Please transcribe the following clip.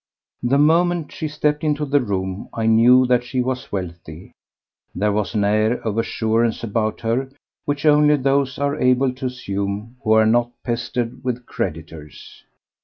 The moment she stepped into the room I knew that she was wealthy; there was an air of assurance about her which only those are able to assume who are not pestered with creditors.